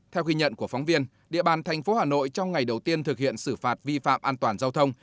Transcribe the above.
theo ghi nhận của phóng viên địa bàn thành phố hà nội trong ngày đầu tiên thực hiện xử phạt vi phạm an toàn giao thông